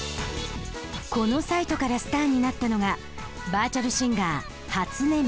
このサイトからスターになったのがバーチャル・シンガー初音ミク。